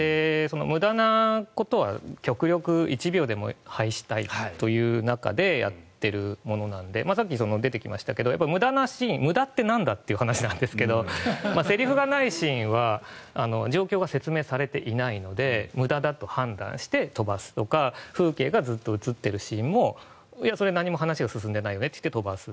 無駄なことは極力１秒でも排したいという中でやっているものなのでさっき出てきましたが無駄なシーン無駄ってなんだという話なんですがセリフがないシーンは状況が説明されていないので無駄だと判断して飛ばすとか風景がずっと映っているシーンもそれは何も話が進んでないよねって飛ばす。